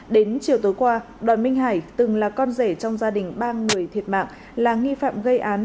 đến chiều tối qua đoàn minh hải từng là con rể trong gia đình ba người thiệt mạng là nghi phạm gây án